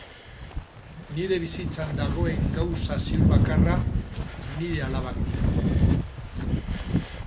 Nire bizitzan dagoen gauza ziur bakarra nire alabak dira.